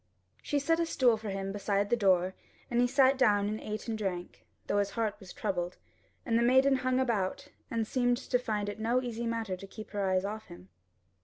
She set a stool for him beside the door and he sat down and ate and drank, though his heart was troubled; and the maiden hung about, and seemed to find it no easy matter to keep her eyes off him.